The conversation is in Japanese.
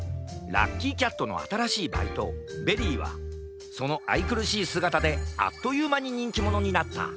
ラッキーキャットのあたらしいバイトベリーはそのあいくるしいすがたであっというまににんきものになった。